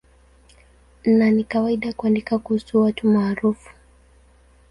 Na ni kawaida kuandika kuhusu watu maarufu.